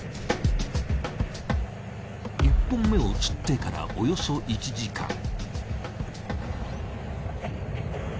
１本目を釣ってからおよそ１時間。